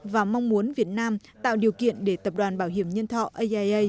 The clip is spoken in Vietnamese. và mong muốn việt nam tạo điều kiện để tập đoàn bảo hiểm nhân thọ aia